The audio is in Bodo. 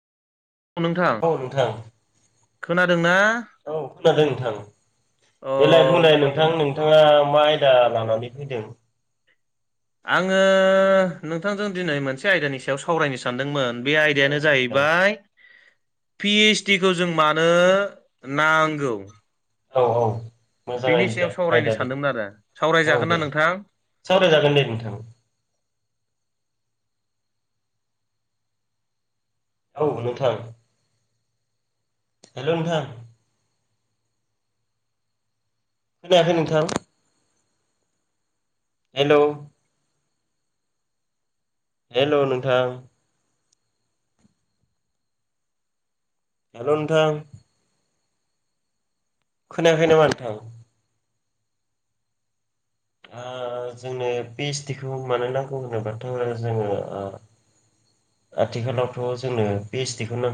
औ नोंथां। खोनादों ना? औ खोनादों नोंथां अ देलाय बुंलाय मोजां नोंथां नोंथाङा मा आयदा लानानै फैदों आङो नोंथांजों दिनै मोनसे आयदानि सायाव सावरायनो सानदोंमोन बे औ आयदायानो देलाय जाहैबाय पिओइस डि खौ जों मानो नांगौ औ औ मोजां बेनि सायाव आयदा सावरायनो आयदा दे सानदोंमोन आरो औ सावरायजागोन ना दे नोंथां सावरायजागोन दे नोंथां औ नोंथां हेलौ नोंथां खोनायाखै नोंथां हेलौ हेलौ नोंथां हेलौ नोंथां खोनायाखै नामा नोथां औ जोंनो पिओइसडि खौ मानो नांगौ होनोब्लाथाय' जोङो आथिखालावथ' जोंनो बे एसडखौ नांगौ